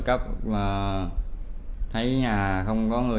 cao nhất khả năng cho hành vi va sn